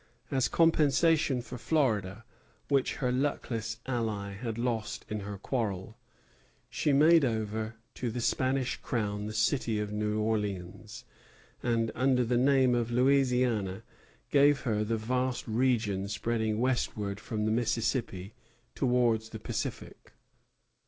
As compensation for Florida, which her luckless ally had lost in her quarrel, she made over to the Spanish Crown the city of New Orleans, and under the name of Louisiana gave her the vast region spreading westward from the Mississippi towards the Pacific.